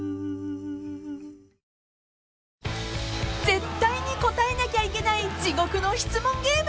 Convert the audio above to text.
［絶対に答えなきゃいけない地獄の質問ゲーム］